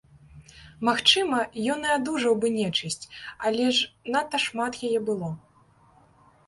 Магчыма, ён і адужаў бы нечысць, але ж надта шмат яе было.